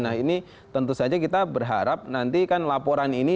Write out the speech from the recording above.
nah ini tentu saja kita berharap nanti kan laporan ini